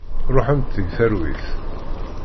Ruḥemt deg talwit.